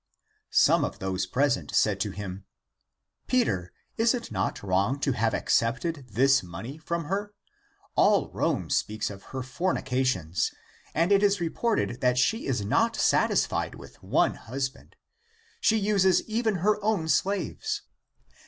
Some of those present said to him, " Peter, is it not wrong to have accepted this money from her? All Rome ^^ speaks of her fornications, and (it is reported) that she is not satisfied with one husband ;^^ she uses even her own slaves.